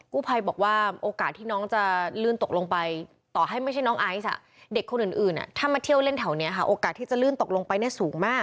กู้ภัยบอกว่าโอกาสที่น้องจะลื่นตกลงไปต่อให้ไม่ใช่น้องไอซ์อ่ะ